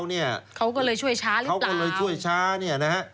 เขาก็เลยช่วยช้าหรือเปล่าเขาก็เลยช่วยช้า